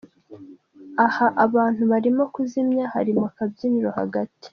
Aha aba bantu barimo kuzimya hari mu kabyiniro hagati.